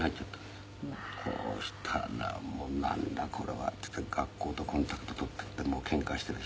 そしたら「なんだこれは！」って言って学校とコンタクトを取っていてケンカしているし。